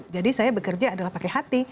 jadi saya bekerja adalah pakai hati